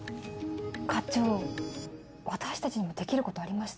課長私たちにもできることありました。